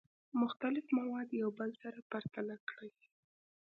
مختلف مواد یو بل سره پرتله کړئ.